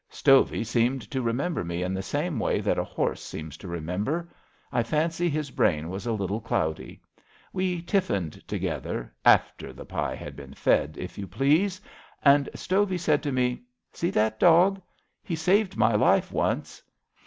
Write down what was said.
Stovey seemed to remember me in the same way that a horse seems to remember. I fancy his brain was a little cloudy. We tiflSned together — after 128 ABAFT THE FUNNEL the pi had been fed, if you please — ^and Stovey said to me: * See that dog? He saved my life once.